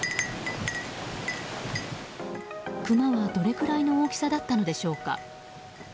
クマはどれくらいの大きさだったのでしょうか。